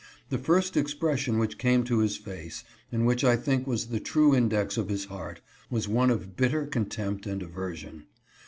The first expression which came to his face, and which I think was the true index of his heart, was one of bitter contempt and aversion.